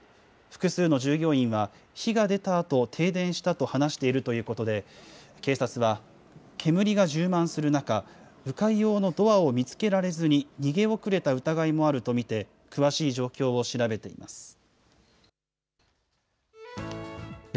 複数の従業員は、火が出たあと停電したと話しているということで、警察は、煙が充満する中、う回用のドアを見つけられずに、逃げ遅れた疑いもあると見て、詳しい状況を調べています。